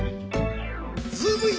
ズームイン！！